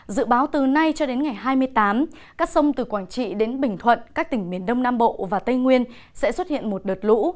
dự báo từ nay cho đến ngày hai mươi tám các sông từ quảng trị đến bình thuận các tỉnh miền đông nam bộ và tây nguyên sẽ xuất hiện một đợt lũ